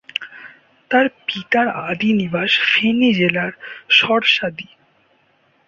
তার পিতার আদিনিবাস ফেনী জেলার শর্শাদি।